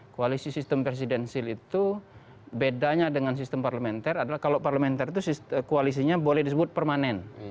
koalisi sistem presidensil itu bedanya dengan sistem parlementer adalah kalau parlementer itu koalisinya boleh disebut permanen